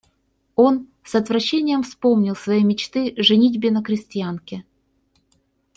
Он с отвращением вспомнил свои мечты женитьбы на крестьянке.